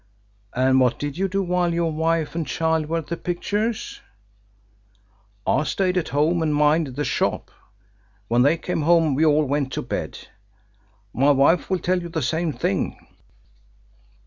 "And what did you do while your wife and child were at the pictures?" "I stayed at home and minded the shop. When they came home we all went to bed. My wife will tell you the same thing."